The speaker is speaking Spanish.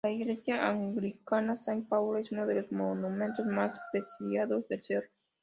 La iglesia anglicana Saint Paul es uno de los monumentos más preciados del cerro.